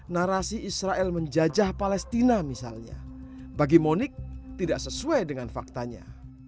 narasi israel menjajah palestina misalnya bagi monik tidak sesuai dengan faktanya